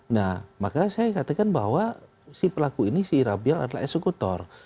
nah maka saya katakan bahwa si pelaku ini si rabiel adalah eksekutor